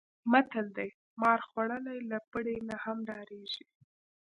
متل دی: مار خوړلی له پړي نه هم ډارېږي.